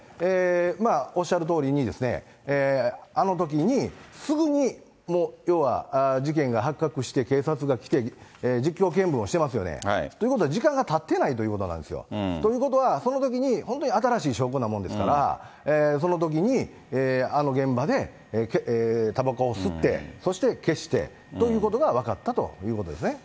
おっしゃるとおりに、あのときにすぐに、要は事件が発覚して、警察が来て、実況見分してますよね。ということは時間がたってないということなんですよ。ということは、そのときに本当に新しい証拠なもんですから、そのときにあの現場でたばこを吸って、そして消して、ということが分かったということですね。